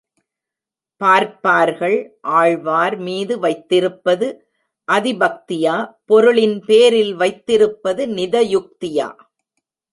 பார்ப்பார்கள் ஆழ்வார் மீது வைத்திருப்பது அதிபக்தியா, பொருளின் பேரில் வைத்திருப்பது நித யுக்தியா.